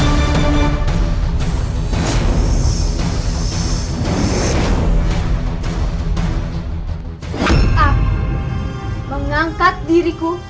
aku mengangkat diriku